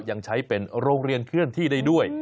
ยังใช้เป็นโรงเรียนเคลื่อนที่ได้ด้วย